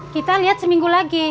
kita lihat seminggu lagi